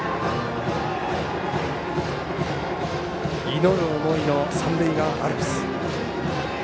祈る思いの三塁側アルプス。